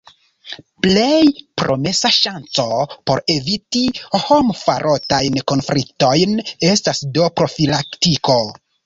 Plej promesa ŝanco por eviti homfarotajn konfliktojn estas do profilaktiko.